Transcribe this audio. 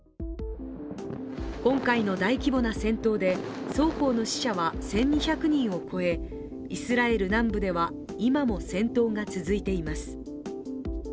今回の大規模な戦闘で双方の死者は１２００人を超え、イスラエル南部では今も戦闘が続いています。